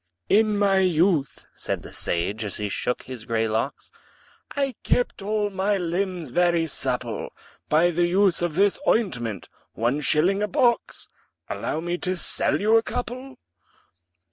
"In my youth," said the sage, as he shook his grey locks, "I kept all my limbs very supple By the use of this ointment one shilling a box Allow me to sell you a couple?"